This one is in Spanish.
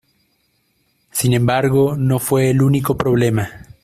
Sin embargo, no fue el único problema.